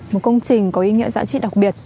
một công trình có ý nghĩa giá trị đặc biệt